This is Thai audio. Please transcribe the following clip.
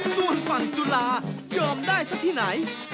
ส่วนฝั่งจุฬาเกิมได้ซะที่ไหน